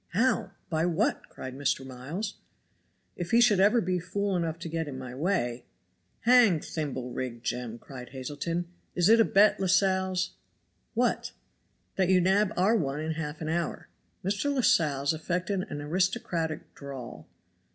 "How? By what?" cried Mr. Miles. "If he should ever be fool enough to get in my way " "Hang Thimble rig Jem," cried Hazeltine. "Is it a bet, Lascelles?" "What?" "That you nab our one in half an hour?" Mr. Lascelles affected an aristocratic drawl.